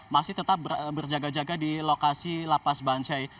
masih tetap berjaga jaga di lokasi lapas bancai